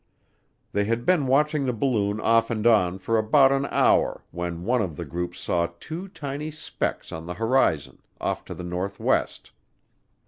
They had been watching the balloon off and on for about an hour when one of the group saw two tiny specks on the horizon, off to the northwest.